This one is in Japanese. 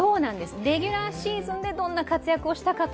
レギュラーシーズンでどんな活躍をしたかを